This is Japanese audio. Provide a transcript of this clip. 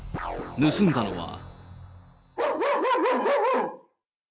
盗んだのは。